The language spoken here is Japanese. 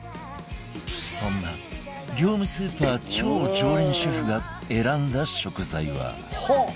そんな業務スーパー超常連主婦が選んだ食材は